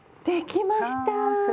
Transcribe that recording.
できました！